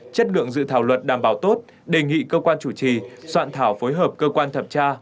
chất lượng dự thảo luật đảm bảo tốt đề nghị cơ quan chủ trì soạn thảo phối hợp cơ quan thẩm tra